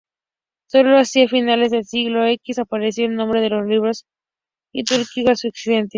Solo hacia finales del siglo X apareció el nombre en los libros litúrgicos occidentales.